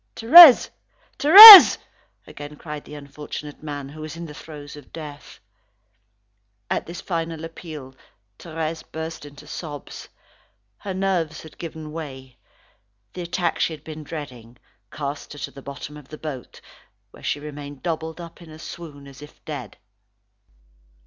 "Thérèse! Thérèse!" again cried the unfortunate man who was in the throes of death. At this final appeal, Thérèse burst into sobs. Her nerves had given way. The attack she had been dreading, cast her to the bottom of the boat, where she remained doubled up in a swoon, and as if dead.